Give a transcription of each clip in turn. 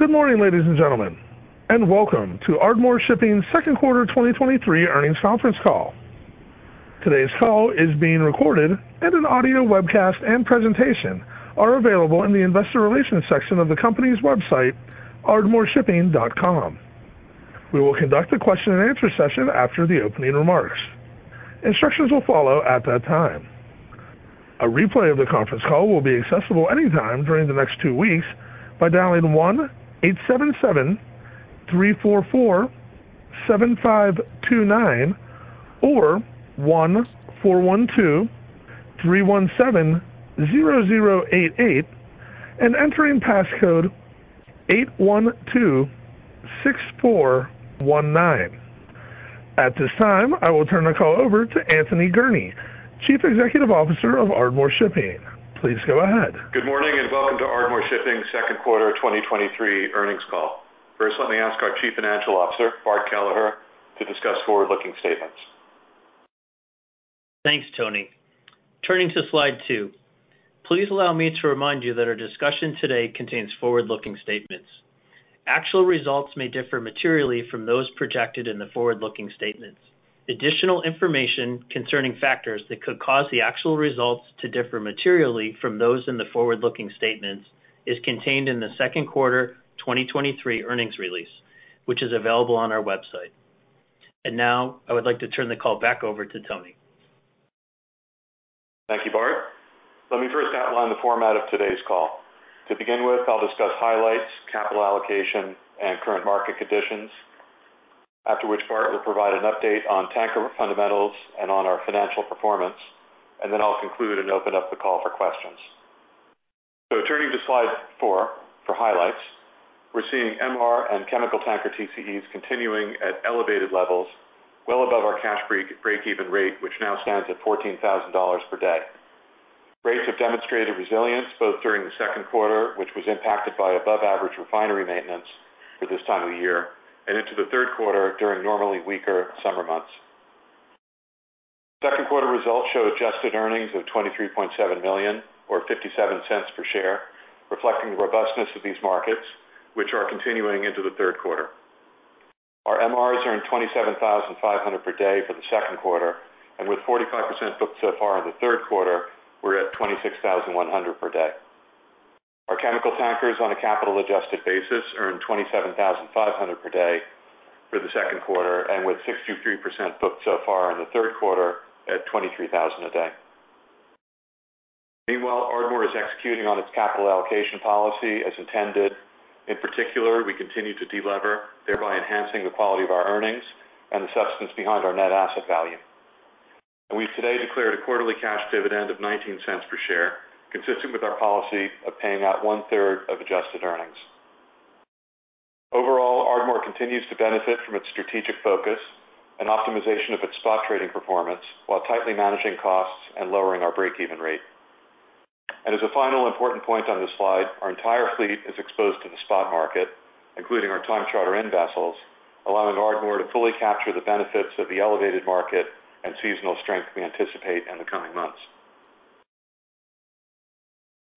Good morning, ladies and gentlemen, welcome to Ardmore Shipping second quarter 2023 earnings conference call. Today's call is being recorded, an audio webcast and presentation are available in the investor relations section of the company's website, ardmoreshipping.com. We will conduct a question-and-answer session after the opening remarks. Instructions will follow at that time. A replay of the conference call will be accessible anytime during the next two weeks by dialing 18773447529 or 14123170088 and entering passcode 8126419. At this time, I will turn the call over to Anthony Gurnee, Chief Executive Officer of Ardmore Shipping. Please go ahead. Good morning. Welcome to Ardmore Shipping second quarter 2023 earnings call. First, let me ask our Chief Financial Officer, Bart Kelleher, to discuss forward-looking statements. Thanks, Tony. Turning to slide two. Please allow me to remind you that our discussion today contains forward-looking statements. Actual results may differ materially from those projected in the forward-looking statements. Additional information concerning factors that could cause the actual results to differ materially from those in the forward-looking statements is contained in the second quarter 2023 earnings release, which is available on our website. Now I would like to turn the call back over to Tony. Thank you, Bart. Let me first outline the format of today's call. To begin with, I'll discuss highlights, capital allocation, and current market conditions. After which, Bart will provide an update on tanker fundamentals and on our financial performance, and then I'll conclude and open up the call for questions. Turning to slide four for highlights. We're seeing MR and chemical tanker TCEs continuing at elevated levels, well above our cash break-even rate, which now stands at $14,000 per day. Rates have demonstrated resilience both during the second quarter, which was impacted by above-average refinery maintenance for this time of the year, and into the third quarter during normally weaker summer months. Second quarter results show adjusted earnings of $23.7 million or $0.57 per share, reflecting the robustness of these markets, which are continuing into the third quarter. Our MRs earned $27,500 per day for the second quarter. With 45% booked so far in the third quarter, we're at $26,100 per day. Our chemical tankers on a capital-adjusted basis earned $27,500 per day for the second quarter. With 63% booked so far in the third quarter at $23,000 a day. Meanwhile, Ardmore is executing on its capital allocation policy as intended. In particular, we continue to delever, thereby enhancing the quality of our earnings and the substance behind our net asset value. We've today declared a quarterly cash dividend of $0.19 per share, consistent with our policy of paying out 1/3 of adjusted earnings. Overall, Ardmore continues to benefit from its strategic focus and optimization of its spot trading performance, while tightly managing costs and lowering our break-even rate. As a final important point on this slide, our entire fleet is exposed to the spot market, including our time charter-in vessels, allowing Ardmore to fully capture the benefits of the elevated market and seasonal strength we anticipate in the coming months.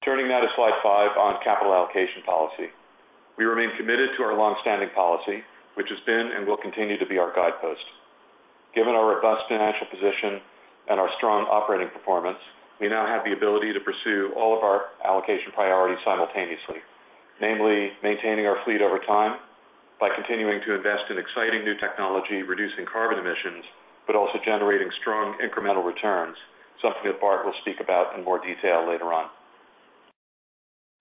Turning now to slide five on capital allocation policy. We remain committed to our long-standing policy, which has been and will continue to be our guidepost. Given our robust financial position and our strong operating performance, we now have the ability to pursue all of our allocation priorities simultaneously. Namely, maintaining our fleet over time by continuing to invest in exciting new technology, reducing carbon emissions, but also generating strong incremental returns, something that Bart will speak about in more detail later on.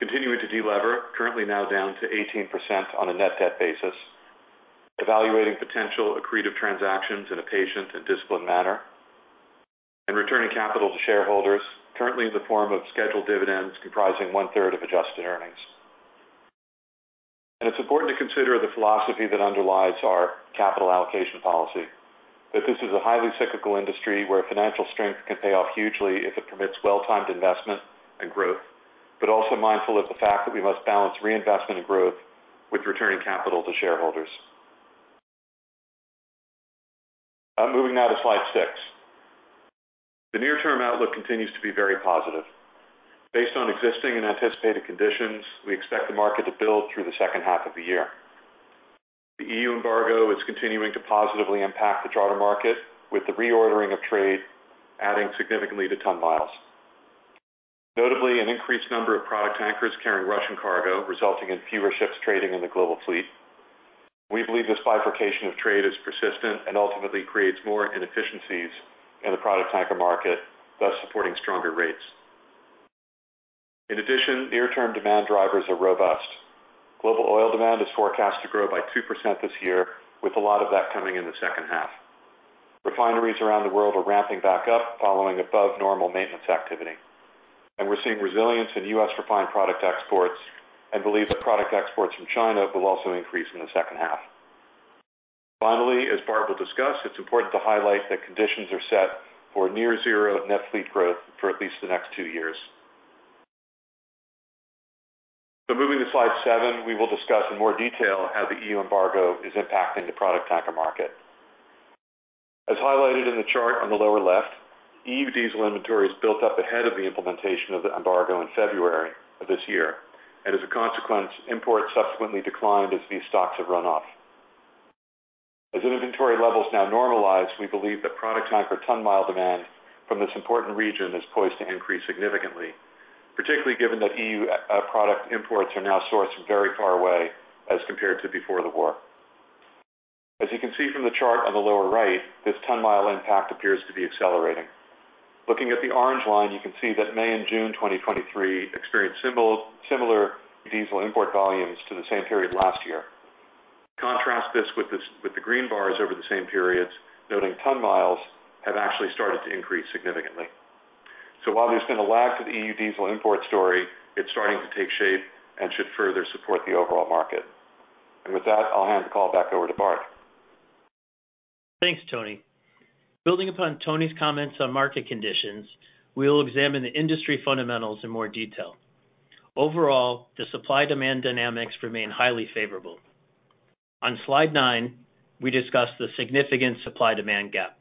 Continuing to delever, currently now down to 18% on a net debt basis, evaluating potential accretive transactions in a patient and disciplined manner, and returning capital to shareholders, currently in the form of scheduled dividends comprising 1/3 of adjusted earnings. It's important to consider the philosophy that underlies our capital allocation policy, that this is a highly cyclical industry where financial strength can pay off hugely if it permits well-timed investment and growth, but also mindful of the fact that we must balance reinvestment and growth with returning capital to shareholders. I'm moving now to slide six. The near-term outlook continues to be very positive. Based on existing and anticipated conditions, we expect the market to build through the 2nd half of the year. The EU embargo is continuing to positively impact the charter market, with the reordering of trade adding significantly to ton-miles. Notably, an increased number of product tankers carrying Russian cargo, resulting in fewer ships trading in the global fleet. We believe this bifurcation of trade is persistent and ultimately creates more inefficiencies in the product tanker market, thus supporting stronger rates. In addition, near-term demand drivers are robust. Global oil demand is forecast to grow by 2% this year, with a lot of that coming in the second half. We're seeing resilience in U.S. refined product exports and believe that product exports from China will also increase in the second half. Finally, as Bart will discuss, it's important to highlight that conditions are set for near zero net fleet growth for at least the next two years. Moving to slide seven, we will discuss in more detail how the EU embargo is impacting the product tanker market. As highlighted in the chart on the lower left, EU diesel inventory is built up ahead of the implementation of the embargo in February of this year, and as a consequence, imports subsequently declined as these stocks have run off. As inventory levels now normalize, we believe that product tanker ton mile demand from this important region is poised to increase significantly, particularly given that EU product imports are now sourced from very far away as compared to before the war. As you can see from the chart on the lower right, this ton mile impact appears to be accelerating. Looking at the orange line, you can see that May and June 2023 experienced similar diesel import volumes to the same period last year. Contrast this with this, with the green bars over the same periods, noting ton-miles have actually started to increase significantly. While there's been a lag to the EU diesel import story, it's starting to take shape and should further support the overall market. With that, I'll hand the call back over to Bart. Thanks, Tony. Building upon Tony's comments on market conditions, we'll examine the industry fundamentals in more detail. Overall, the supply-demand dynamics remain highly favorable. On slide nine, we discuss the significant supply-demand gap.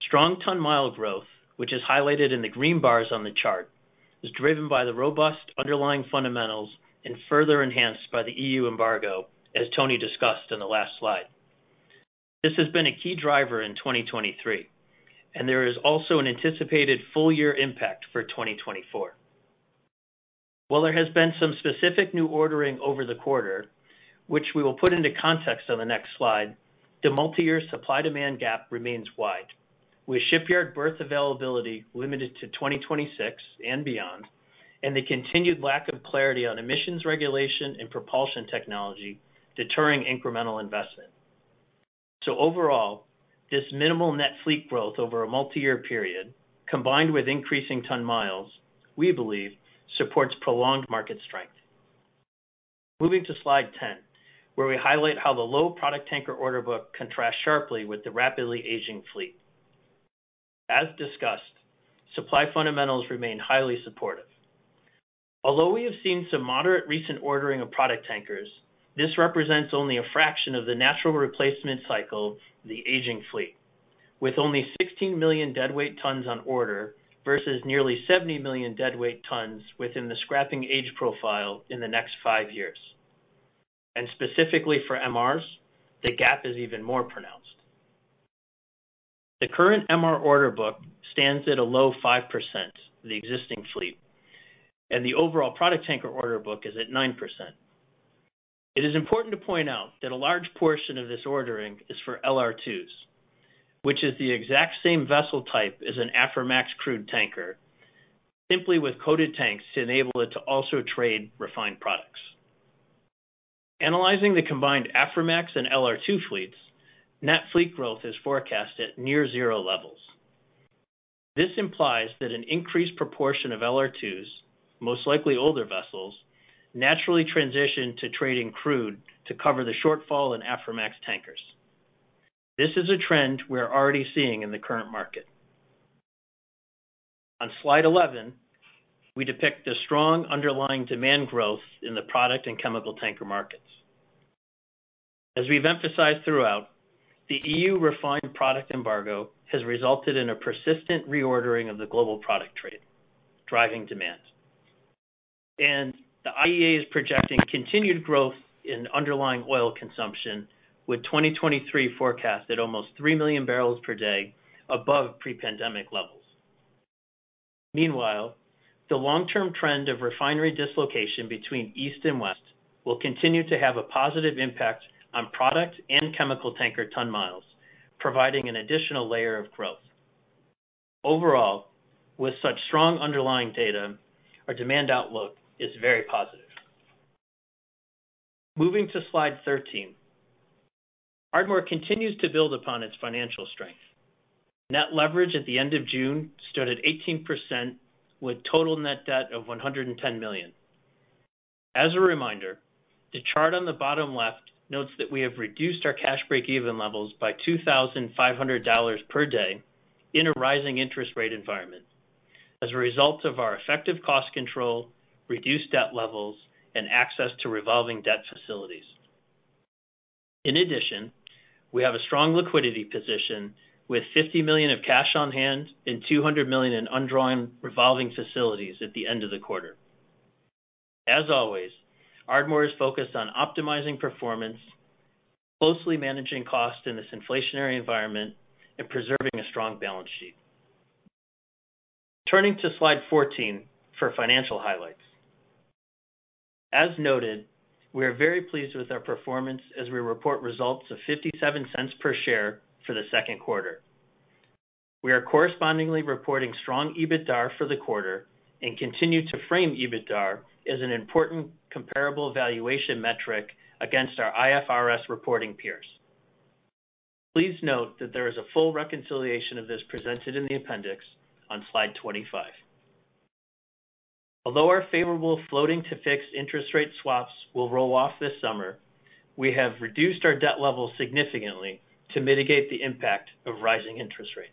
Strong ton-mile growth, which is highlighted in the green bars on the chart, is driven by the robust underlying fundamentals and further enhanced by the EU embargo, as Tony discussed on the last slide. This has been a key driver in 2023, there is also an anticipated full year impact for 2024. While there has been some specific new ordering over the quarter, which we will put into context on the next slide, the multi-year supply-demand gap remains wide, with shipyard berth availability limited to 2026 and beyond, and the continued lack of clarity on emissions regulation and propulsion technology deterring incremental investment. Overall, this minimal net fleet growth over a multi-year period, combined with increasing ton-miles, we believe, supports prolonged market strength. Moving to Slide 10, where we highlight how the low product tanker order book contrasts sharply with the rapidly aging fleet. As discussed, supply fundamentals remain highly supportive. Although we have seen some moderate recent ordering of product tankers, this represents only a fraction of the natural replacement cycle of the aging fleet, with only 16 million deadweight tons on order versus nearly 70 million deadweight tons within the scrapping age profile in the next five years. Specifically for MRs, the gap is even more pronounced. The current MR order book stands at a low 5% of the existing fleet, and the overall product tanker order book is at 9%. It is important to point out that a large portion of this ordering is for LR2s, which is the exact same vessel type as an Aframax crude tanker, simply with coated tanks to enable it to also trade refined products. Analyzing the combined Aframax and LR2 fleets, net fleet growth is forecast at near zero levels. This implies that an increased proportion of LR2s, most likely older vessels, naturally transition to trading crude to cover the shortfall in Aframax tankers. This is a trend we are already seeing in the current market. On Slide 11, we depict the strong underlying demand growth in the product and chemical tanker markets. As we've emphasized throughout, the EU refined product embargo has resulted in a persistent reordering of the global product trade, driving demand. The IEA is projecting continued growth in underlying oil consumption, with 2023 forecast at almost 3 million bbl per day above pre-pandemic levels. Meanwhile, the long-term trend of refinery dislocation between East and West will continue to have a positive impact on product and chemical tanker ton-miles, providing an additional layer of growth. Overall, with such strong underlying data, our demand outlook is very positive. Moving to Slide 13, Ardmore continues to build upon its financial strength. Net leverage at the end of June stood at 18%, with total net debt of $110 million. As a reminder, the chart on the bottom left notes that we have reduced our cash breakeven levels by $2,500 per day in a rising interest rate environment as a result of our effective cost control, reduced debt levels, and access to revolving debt facilities. We have a strong liquidity position with $50 million of cash on hand and $200 million in undrawn revolving facilities at the end of the quarter. As always, Ardmore is focused on optimizing performance, closely managing costs in this inflationary environment, and preserving a strong balance sheet. Turning to Slide 14 for financial highlights. As noted, we are very pleased with our performance as we report results of $0.57 per share for the second quarter. We are correspondingly reporting strong EBITDAR for the quarter and continue to frame EBITDAR as an important comparable valuation metric against our IFRS reporting peers. Please note that there is a full reconciliation of this presented in the appendix on Slide 25. Although our favorable floating to fixed interest rate swaps will roll off this summer, we have reduced our debt levels significantly to mitigate the impact of rising interest rates.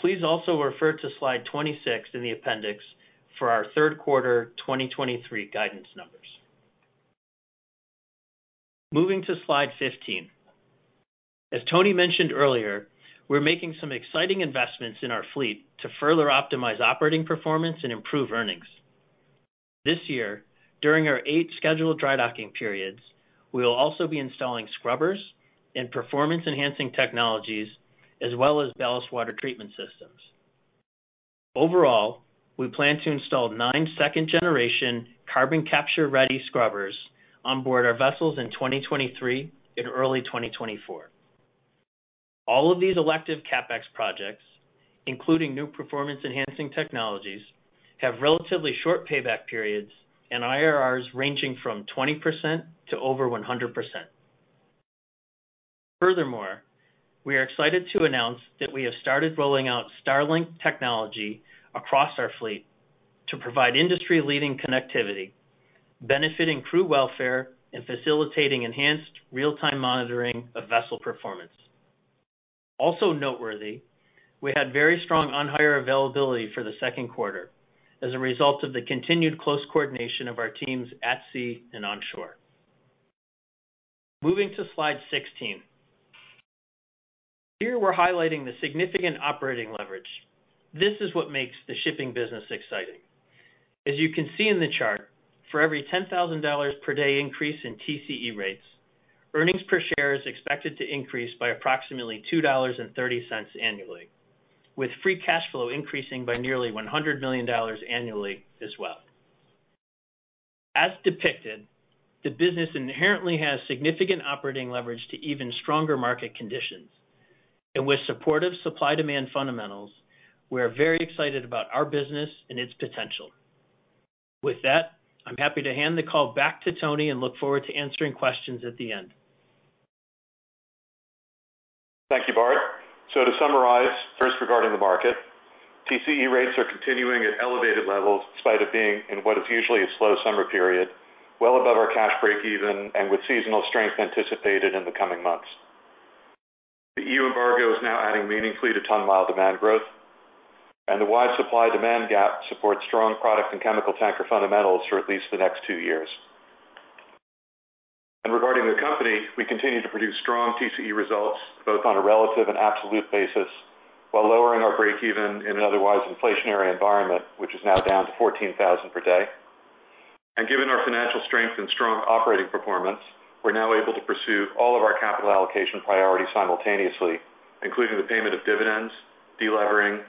Please also refer to slide 26 in the appendix for our 3rd quarter 2023 guidance numbers. Moving to slide 15. As Tony mentioned earlier, we're making some exciting investments in our fleet to further optimize operating performance and improve earnings. This year, during our eight scheduled dry docking periods, we will also be installing scrubbers and performance-enhancing technologies, as well as ballast water treatment systems. Overall, we plan to install 9 second-generation carbon capture-ready scrubbers on board our vessels in 2023 and early 2024. All of these elective CapEx projects, including new performance-enhancing technologies, have relatively short payback periods and IRRs ranging from 20% to over 100%. Furthermore, we are excited to announce that we have started rolling out Starlink technology across our fleet to provide industry-leading connectivity, benefiting crew welfare and facilitating enhanced real-time monitoring of vessel performance. Also noteworthy, we had very strong on-hire availability for the second quarter as a result of the continued close coordination of our teams at sea and onshore. Moving to slide 16. Here, we're highlighting the significant operating leverage. This is what makes the shipping business exciting. As you can see in the chart, for every $10,000 per day increase in TCE rates, earnings per share is expected to increase by approximately $2.30 annually, with free cash flow increasing by nearly $100 million annually as well. As depicted, the business inherently has significant operating leverage to even stronger market conditions. With supportive supply-demand fundamentals, we are very excited about our business and its potential. With that, I'm happy to hand the call back to Tony and look forward to answering questions at the end. Thank you, Bart. To summarize, first, regarding the market, TCE rates are continuing at elevated levels in spite of being in what is usually a slow summer period, well above our cash breakeven and with seasonal strength anticipated in the coming months. The EU embargo is now adding meaningfully to ton-mile demand growth, and the wide supply-demand gap supports strong product and chemical tanker fundamentals for at least the next two years. Regarding the company, we continue to produce strong TCE results, both on a relative and absolute basis, while lowering our breakeven in an otherwise inflationary environment, which is now down to $14,000 per day. Given our financial strength and strong operating performance, we're now able to pursue all of our capital allocation priorities simultaneously, including the payment of dividends, delevering,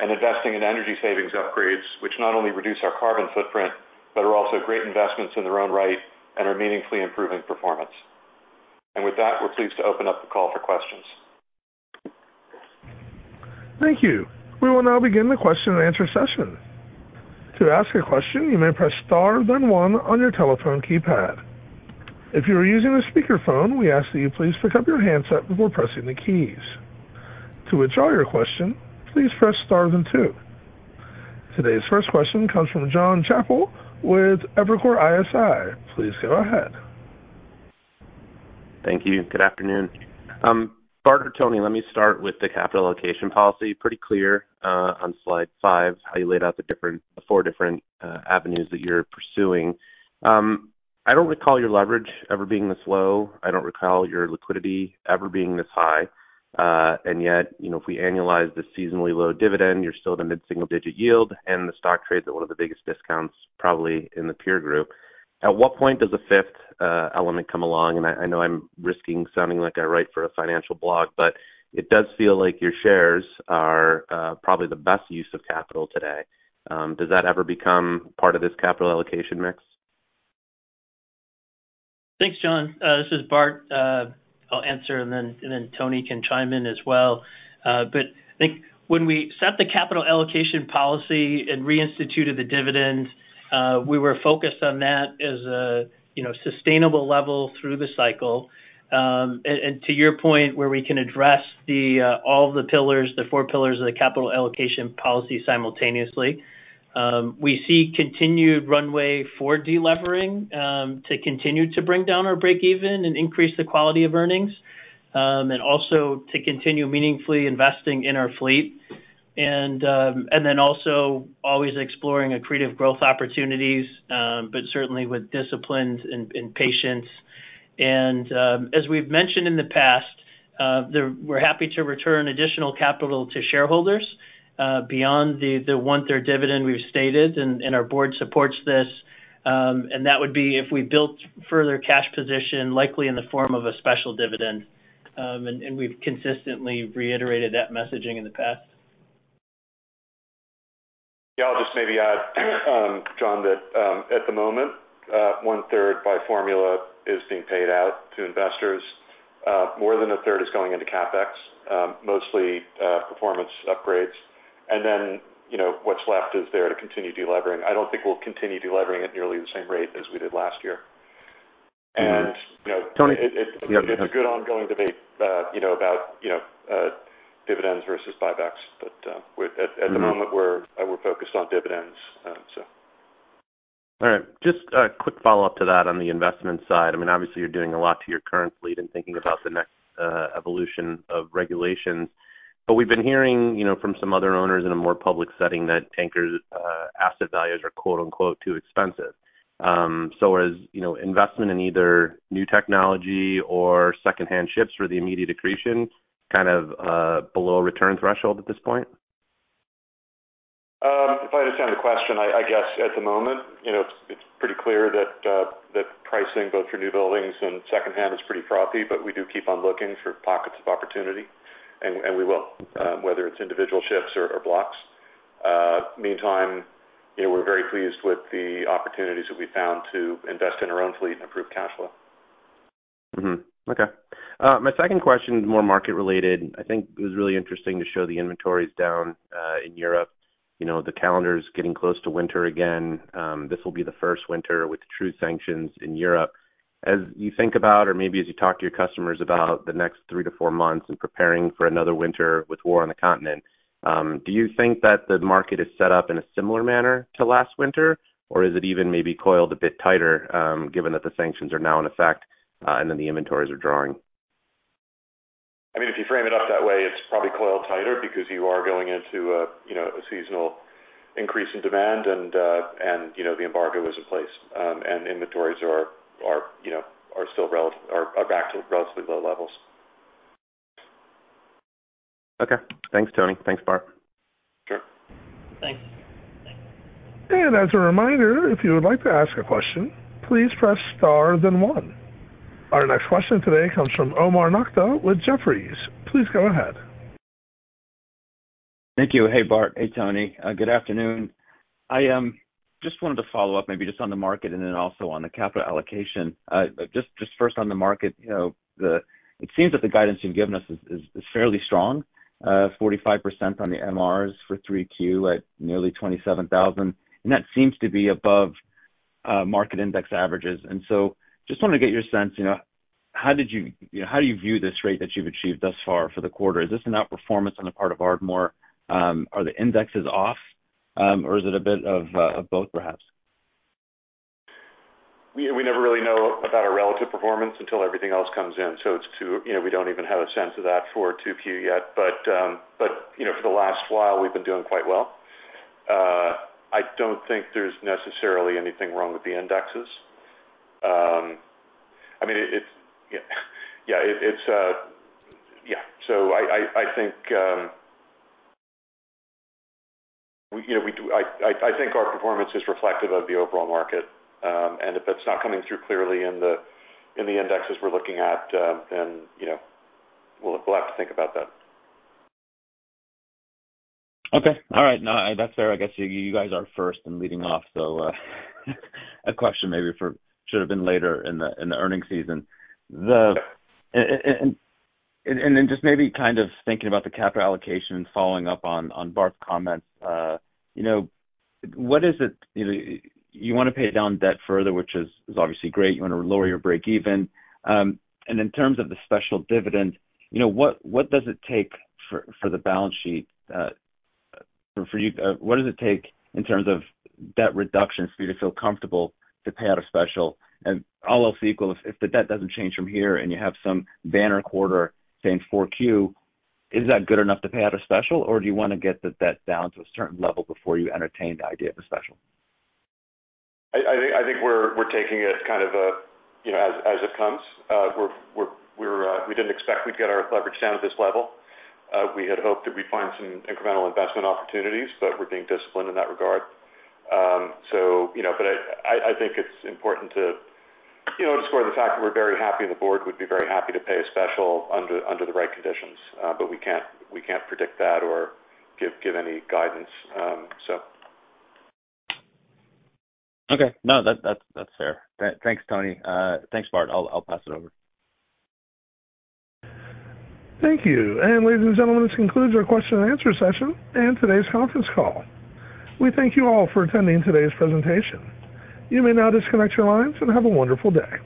and investing in energy savings upgrades, which not only reduce our carbon footprint, but are also great investments in their own right and are meaningfully improving performance. With that, we're pleased to open up the call for questions. Thank you. We will now begin the question and answer session. To ask a question, you may press star, then one on your telephone keypad. If you are using a speakerphone, we ask that you please pick up your handset before pressing the keys. To withdraw your question, please press star then two. Today's first question comes from Jonathan Chappell with Evercore ISI. Please go ahead. Thank you. Good afternoon. Bart or Tony, let me start with the capital allocation policy. Pretty clear on slide five, how you laid out the four different avenues that you're pursuing. I don't recall your leverage ever being this low. I don't recall your liquidity ever being this high. Yet, you know, if we annualize the seasonally low dividend, you're still in the mid-single-digit yield, and the stock trades at one of the biggest discounts, probably in the peer group. At what point does a 5th element come along? I, I know I'm risking sounding like I write for a financial blog, but it does feel like your shares are probably the best use of capital today. Does that ever become part of this capital allocation mix? Thanks, John. This is Bart. I'll answer, and then, and then Tony can chime in as well. I think when we set the capital allocation policy and reinstituted the dividend, we were focused on that as a, you know, sustainable level through the cycle. To your point, where we can address the, all of the pillars, the four pillars of the capital allocation policy simultaneously. We see continued runway for delevering, to continue to bring down our breakeven and increase the quality of earnings, and also to continue meaningfully investing in our fleet. Then also always exploring accretive growth opportunities, but certainly with disciplines and, and patience. As we've mentioned in the past, we're happy to return additional capital to shareholders, beyond the 1/3 dividend we've stated, and our board supports this. That would be if we built further cash position, likely in the form of a special dividend. We've consistently reiterated that messaging in the past. Yeah, I'll just maybe add, John, that at the moment, 1/3 by formula is being paid out to investors. More than 1/3 is going into CapEx, mostly performance upgrades. Then, you know, what's left is there to continue delevering. I don't think we'll continue delevering at nearly the same rate as we did last year. You know. Tony- It's a good ongoing debate, you know, about, you know, dividends versus buybacks. At the moment, we're focused on dividends. All right. Just a quick follow-up to that on the investment side. I mean, obviously, you're doing a lot to your current fleet and thinking about the next evolution of regulations. We've been hearing, you know, from some other owners in a more public setting that tankers, asset values are quote, unquote, "too expensive." Is, you know, investment in either new technology or secondhand ships for the immediate accretion kind of below return threshold at this point? If I understand the question, I guess at the moment, you know, it's, it's pretty clear that pricing, both for new buildings and secondhand, is pretty frothy, but we do keep on looking for pockets of opportunity, and we will, whether it's individual ships or blocks. Meantime, you know, we're very pleased with the opportunities that we found to invest in our own fleet and improve cash flow. Mm-hmm. Okay. My second question is more market related. I think it was really interesting to show the inventories down in Europe. You know, the calendar is getting close to winter again. This will be the first winter with true sanctions in Europe. As you think about, or maybe as you talk to your customers about the next three-month months and preparing for another winter with war on the continent, do you think that the market is set up in a similar manner to last winter? Is it even maybe coiled a bit tighter, given that the sanctions are now in effect, and then the inventories are drawing? I mean, if you frame it up that way, it's probably coiled tighter because you are going into a, you know, a seasonal increase in demand and, and, you know, the embargo is in place, and inventories are, are, you know, are back to relatively low levels. Okay. Thanks, Tony. Thanks, Bart. Sure. Thanks. As a reminder, if you would like to ask a question, please press star then one. Our next question today comes from Omar Nokta with Jefferies. Please go ahead. Thank you. Hey, Bart. Hey, Tony. Good afternoon. I just wanted to follow up maybe just on the market and then also on the capital allocation. Just, just first on the market, you know, it seems that the guidance you've given us is fairly strong, 45% on the MRs for 3Q at nearly $27,000, and that seems to be above market index averages. Just wanted to get your sense, you know, how do you view this rate that you've achieved thus far for the quarter? Is this an outperformance on the part of Ardmore? Are the indexes off, or is it a bit of both, perhaps? We, we never really know about our relative performance until everything else comes in, so it's too. You know, we don't even have a sense of that for two Q yet. But, you know, for the last while, we've been doing quite well. I don't think there's necessarily anything wrong with the indexes. I mean, it, it's, yeah, it, it's, yeah. I, I, I think, we, you know, we do, I, I, I think our performance is reflective of the overall market. If it's not coming through clearly in the, in the indexes we're looking at, then, you know, we'll, we'll have to think about that. Okay. All right. No, that's fair. I guess you, you guys are first in leading off, so, a question maybe for should have been later in the, in the earnings season. Just maybe kind of thinking about the capital allocation and following up on, on Bart's comments, you know, what is it, you know, you want to pay down debt further, which is, is obviously great. You want to lower your break even. In terms of the special dividend, you know, what, what does it take for, for the balance sheet, for you? What does it take in terms of debt reduction for you to feel comfortable to pay out a special? All else equal, if the debt doesn't change from here and you have some banner quarter, say, in 4Q, is that good enough to pay out a special, or do you want to get the debt down to a certain level before you entertain the idea of a special? I, I, I think we're, we're taking it kind of, you know, as, as it comes. We're, we're, we're, we didn't expect we'd get our leverage down at this level. We had hoped that we'd find some incremental investment opportunities, but we're being disciplined in that regard. You know, but I, I, I think it's important to, you know, to score the fact that we're very happy and the board would be very happy to pay a special under, under the right conditions. We can't, we can't predict that or give, give any guidance. Okay. No, that, that's, that's fair. Thanks, Tony. Thanks, Bart. I'll, I'll pass it over. Thank you. Ladies and gentlemen, this concludes our question and answer session and today's conference call. We thank you all for attending today's presentation. You may now disconnect your lines and have a wonderful day.